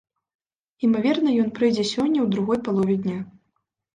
Імаверна, ён прыйдзе сёння ў другой палове дня.